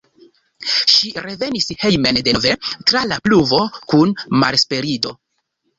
Ŝi revenis hejmen denove tra la pluvo kun malesperiĝo.